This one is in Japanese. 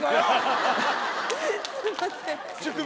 すいません。